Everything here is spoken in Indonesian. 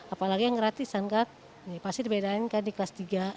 apalagi yang gratisan kak pasti dibedain kan di kelas tiga